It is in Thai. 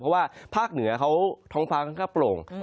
เพราะว่าภาคเหนือเขาท้องฟ้าค่อนข้างโปร่ง